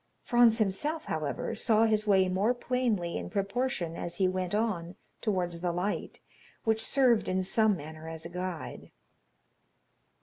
Franz himself, however, saw his way more plainly in proportion as he went on towards the light, which served in some manner as a guide.